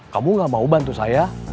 kamu gak mau bantu saya